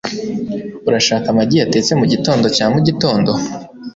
Urashaka amagi yatetse mugitondo cya mugitondo?